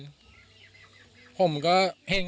เจอเจอเจอ